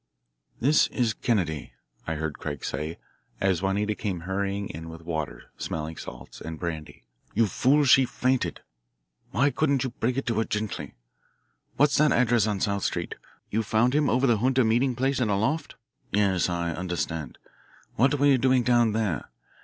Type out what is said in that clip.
"This is Kennedy," I heard Craig say, as Juanita came hurrying in with water, smelling salts, and brandy. "You fool. She fainted. Why couldn't you break it to her gently? What's that address on South Street? You found him over the junta meeting place in a loft? Yes, I understand. What were you doing down there?